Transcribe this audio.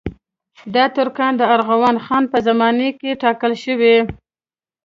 دا ترکان د ارغون خان په زمانه کې ټاکل شوي.